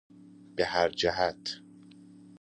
به هر جهت